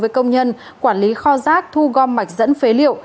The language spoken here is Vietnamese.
với công nhân quản lý kho rác thu gom mạch dẫn phế liệu